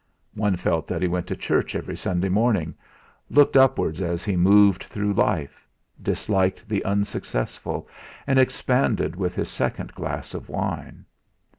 One felt that he went to church every Sunday morning, looked upwards as he moved through life, disliked the unsuccessful, and expanded with his second glass of wine.